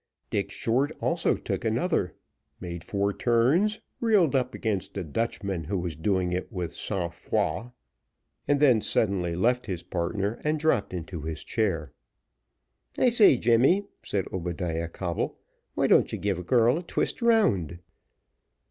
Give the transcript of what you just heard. Dick Short also took another, made four turns, reeled up against a Dutchman who was doing it with sang froid, and then suddenly left his partner and dropped into his chair. "I say, Jemmy," said Obadiah Coble, "why don't you give a girl a twist round?"